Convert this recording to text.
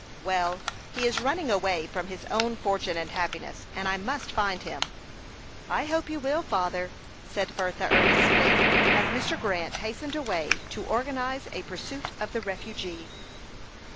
"Well, he is running away from his own fortune and happiness; and I must find him." "I hope you will, father," said Bertha, earnestly, as Mr. Grant hastened away to organize a pursuit of the refugee.